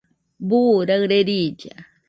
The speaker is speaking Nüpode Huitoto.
¿Buu raɨre riilla?